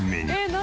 何？